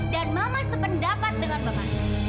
dan mama sependapat dengan mama